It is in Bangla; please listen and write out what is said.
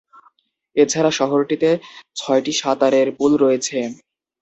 এছাড়া শহরটিতে ছয়টি সাঁতারের পুল রয়েছে।